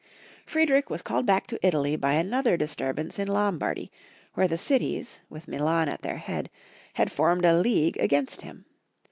Friedrich was called back to Italy by another disturbance in Lombardy, where the cities, with Milan at their head, had formed a league against him.